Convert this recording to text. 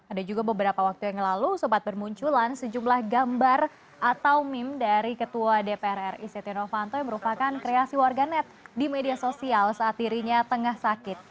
ada juga beberapa waktu yang lalu sempat bermunculan sejumlah gambar atau meme dari ketua dpr ri setia novanto yang merupakan kreasi warganet di media sosial saat dirinya tengah sakit